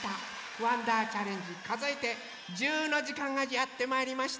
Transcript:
「わんだーチャレンジかぞえて１０」のじかんがやってまいりました。